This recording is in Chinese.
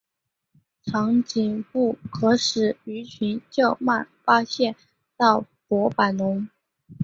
长颈部可使鱼群较慢发现到薄板龙。